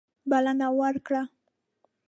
بلنه ورکړه.